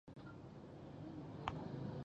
د دې تيورۍ پر بنسټ ادبي متونو ته